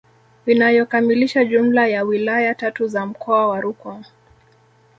Inayokamilisha jumla ya wilaya tatu za mkoa wa Rukwa